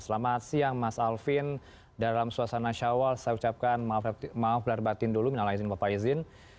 selamat siang mas alvin dalam suasana syawal saya ucapkan maaf lahir batin dulu menyala izin bapak izin